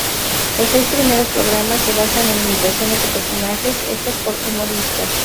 Los seis primeros programas se basaban en imitaciones de personajes hechas por humoristas.